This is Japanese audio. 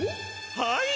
はい！